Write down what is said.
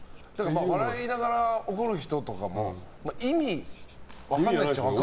笑いながら怒る人とかも意味分かんないですもんね。